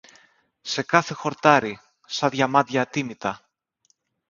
σε κάθε χορτάρι, σα διαμάντια ατίμητα.